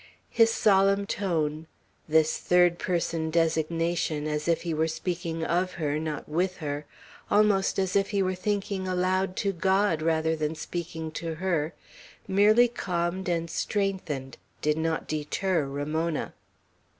His solemn tone; this third person designation, as if he were speaking of her, not with her, almost as if he were thinking aloud to God rather than speaking to her, merely calmed and strengthened, did not deter Ramona.